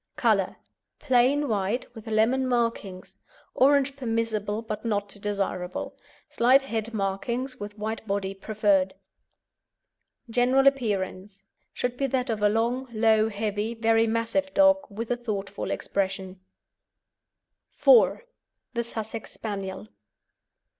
COLOUR Plain white with lemon markings; orange permissible but not desirable; slight head markings with white body preferred. GENERAL APPEARANCE Should be that of a long, low, heavy, very massive dog, with a thoughtful expression. IV. THE SUSSEX SPANIEL.